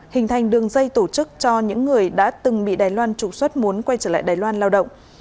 hình thành đường dây tổ chức cho những người đã từng bị đài loan trục xuất muốn quay trở lại đài loan lao động